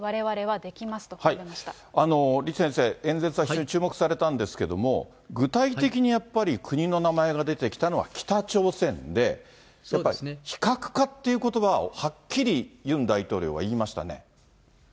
しかし、李先生、演説は注目されたんですけれども、具体的にやっぱり、国の名前が出てきたのは北朝鮮で、やっぱり非核化っていうことばをはっきりユン大統領は言いましたね。